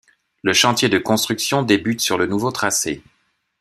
Le chantier de construction débute sur le nouveau tracé.